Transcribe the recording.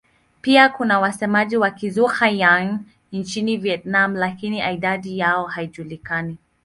Pia kuna wasemaji wa Kizhuang-Yang nchini Vietnam lakini idadi yao haijulikani.